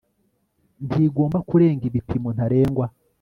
ntigomba kurenga ibipimo ntarengwa